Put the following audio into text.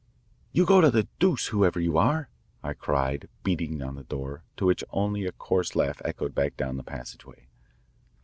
"You go to the deuce, whoever you are," I cried, beating on the door, to which only a coarse laugh echoed back down the passageway.